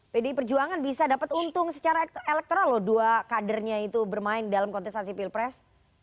pdi perjuangan bisa dapat untung secara elektoral loh dua kadernya itu bermain dalam kontestasi pilpres